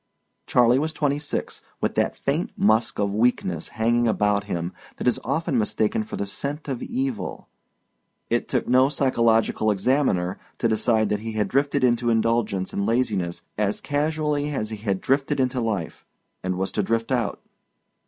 Charley was twenty six, with that faint musk of weakness hanging about him that is often mistaken for the scent of evil. It took no psychological examiner to decide that he had drifted into indulgence and laziness as casually as he had drifted into life, and was to drift out.